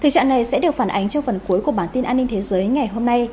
đây sẽ được phản ánh trong phần cuối của bản tin an ninh thế giới ngày hôm nay